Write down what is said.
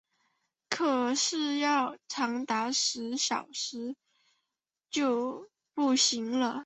可是要长达十小时就不行了